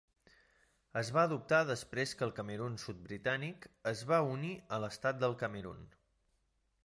Es va adoptar després que el Camerun sud britànic es va unir a l'estat del Camerun.